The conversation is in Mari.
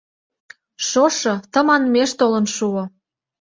Шошо тыманмеш толын шуо.